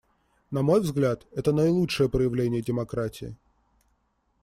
На мой взгляд, это наилучшее проявление демократии.